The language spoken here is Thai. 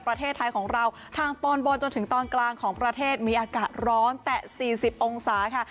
ประเทศไทยของเราทางตอนบนจนถึงตอนกลางของประเทศมีอากาศร้อนแต่๔๐องศาค่ะ